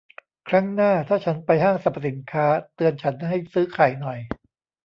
ครั้งหน้าถ้าฉันไปห้างสรรพสินค้า เตือนฉันให้ซื้อไข่หน่อย